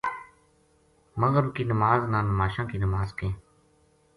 مغرب کی نماز نا نماشاں کی نماز کہیں۔